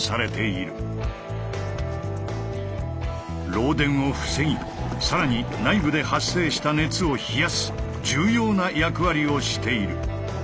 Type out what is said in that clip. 漏電を防ぎ更に内部で発生した熱を冷やす重要な役割をしている。